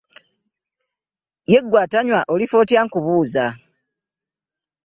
Ye ggwe atanywa olifa otya nkubuuza?